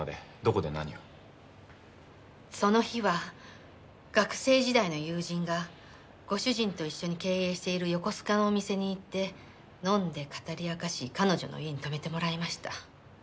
その日は学生時代の友人がご主人と一緒に経営している横須賀のお店に行って飲んで語り明かし彼女の家に泊めてもらいました。